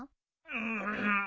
うん。